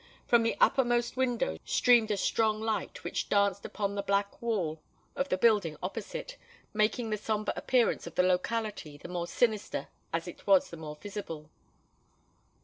From the uppermost window streamed a strong light, which danced upon the black wall of the building opposite, making the sombre appearance of the locality the more sinister as it was the more visible.